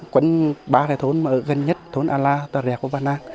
quấn ba thẻ thốn gần nhất thốn a la tòa rè của ban nang